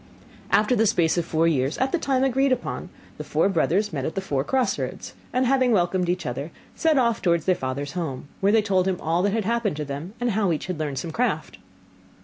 After the space of four years, at the time agreed upon, the four brothers met at the four cross roads; and having welcomed each other, set off towards their father's home, where they told him all that had happened to them, and how each had learned some craft.